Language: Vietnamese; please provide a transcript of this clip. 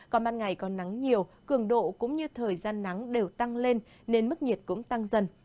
còn ban ngày có nắng nhiều cường độ cũng như thời gian nắng đều tăng lên nên mức nhiệt cũng tăng dần